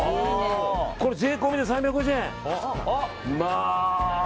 これ税込みで３５０円！